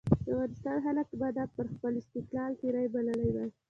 افغانستان خلکو به دا پر خپل استقلال تېری بللی وای.